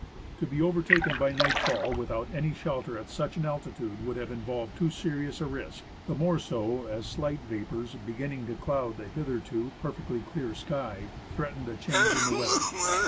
To be overtaken by nightfall without any shelter at such an altitude would have in volved too serious a risk, the more so as slight vapours begin ning to cloud the hitherto perfectly clear sky, threatened a change in the weather.